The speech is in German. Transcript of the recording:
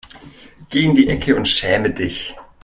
Geh in die Ecke und schäme dich.